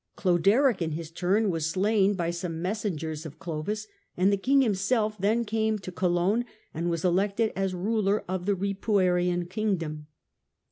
Cloderic, in his turn, was slain by some messengers of Clovis, and the king himself then came to Cologne and was elected as ruler of the Eipuarian kingdom.